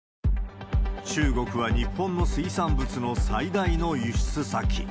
中国は日本の水産物の最大の輸出先。